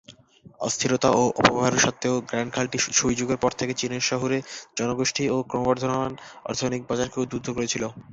অস্থিরতা ও অপব্যবহার সত্ত্বেও গ্র্যান্ড খালটি সুই যুগের পর থেকে চীনের শহুরে জনগোষ্ঠী ও ক্রমবর্ধমান অর্থনৈতিক বাজারকে উদ্বুদ্ধ করেছিল।